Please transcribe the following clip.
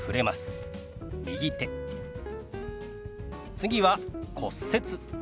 次は「骨折」。